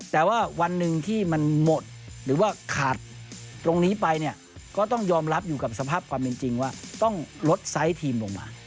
แต่ว่าวันหนึ่งที่มันหมดหรือว่าขาดตรงนี้ไปเนี่ยก็ต้องยอมรับอยู่กับสภาพความเป็นจริงว่าต้องลดไซส์ทีมลงมา